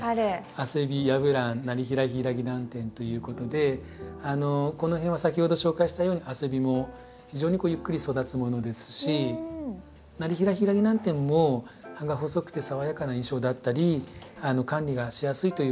アセビヤブランナリヒラヒイラギナンテンということでこの辺は先ほど紹介したようにアセビも非常にゆっくり育つものですしナリヒラヒイラギナンテンも葉が細くて爽やかな印象だったり管理がしやすいという。